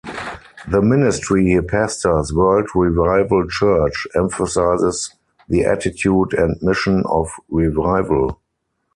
The ministry he pastors, World Revival Church, emphasizes the attitude and mission of revival.